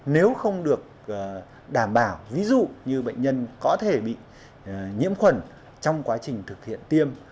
nếu không được đảm bảo ví dụ như bệnh nhân có thể bị nhiễm khuẩn trong quá trình thực hiện tiêm